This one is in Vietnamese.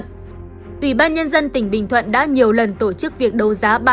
ủy ban nhân dân tỉnh bình thuận đã nhiều lần tổ chức việc đấu giá